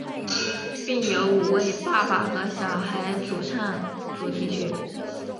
并由五位爸爸和小孩主唱主题曲。